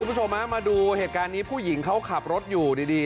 คุณผู้ชมมาดูเหตุการณ์นี้ผู้หญิงเขาขับรถอยู่ดี